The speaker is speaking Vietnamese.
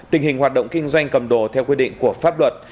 tình hình hoạt động kinh doanh cầm đồ theo quy định của pháp luật